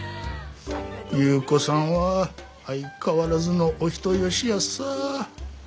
優子さんは相変わらずのお人よしヤッサー。